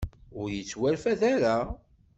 Ur yettwarfed ara.